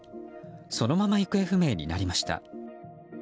そのまま行方不明になりました。